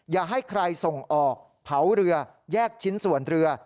อย่าให้ใครส่งออกเผาเรือแยกชิ้นส่วนเรือ